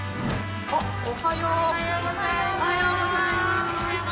おはようございます。